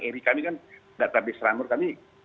eri kami kan database runner kami